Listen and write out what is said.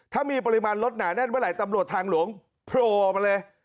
ถ้ามีปริมาณรถหนาแน่นเมื่อไหร่ตำรวจทางหลวงโผล่ออกมาเลย